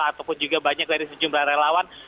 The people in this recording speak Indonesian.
ataupun juga banyak dari sejumlah relawan